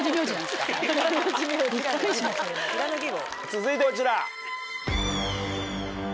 続いてこちら。